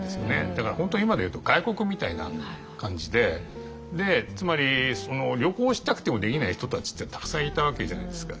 だから本当に今でいうと外国みたいな感じで。でつまり旅行したくてもできない人たちってたくさんいたわけじゃないですか。